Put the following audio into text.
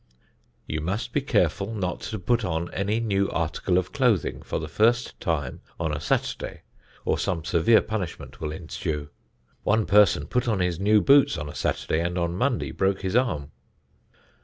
You must be careful not to put on any new article of clothing for the first time on a Saturday, or some severe punishment will ensue. One person put on his new boots on a Saturday, and on Monday broke his arm.